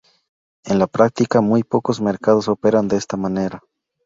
En la práctica, muy pocos mercados operan de esta manera.